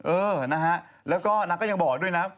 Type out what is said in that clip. เออนะฮะแล้วก็นางก็ยังบอกด้วยนะ